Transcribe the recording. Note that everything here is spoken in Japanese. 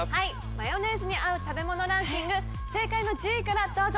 マヨネーズに合う食べ物ランキング正解の１０位からどうぞ。